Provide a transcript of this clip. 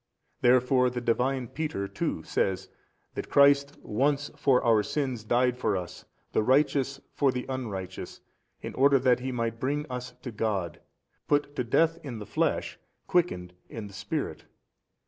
Therefore the |303 Divine Peter too says that Christ once for our sins died for us, the Righteous for the unrighteous, in order that He might bring us to God, put to death in the flesh, quickened in the Spirit.